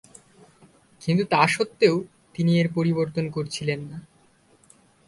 কিন্তু তা সত্ত্বেও তিনি এর পরিবর্তন করছিলেন না।